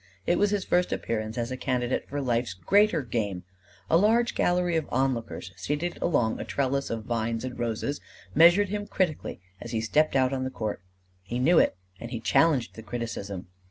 It was his first appearance as a candidate for life's greater game. A large gallery of onlookers, seated along a trellis of vines and roses, measured him critically as he stepped out on the court: he knew it and he challenged the criticism.